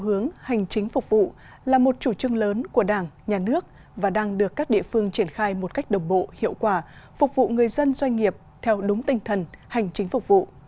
hướng hành chính phục vụ là một chủ trương lớn của đảng nhà nước và đang được các địa phương triển khai một cách đồng bộ hiệu quả phục vụ người dân doanh nghiệp theo đúng tinh thần hành chính phục vụ